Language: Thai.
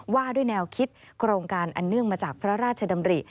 ว่าด้วยแนวคิดโครงการอันเนื่องมาจากพระราชดำริ